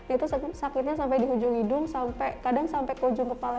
itu sakitnya sampai di hujung hidung sampai kadang sampai ke ujung kepala